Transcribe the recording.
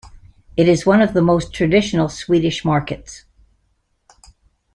It is one of the most traditional Swedish markets.